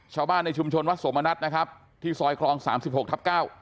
ชาวบ้านในชุมชนวัดสวมรรณัฐนะครับที่ซอยคลอง๓๖ทับ๙